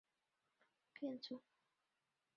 粗球果葶苈为十字花科葶苈属球果葶苈的变种。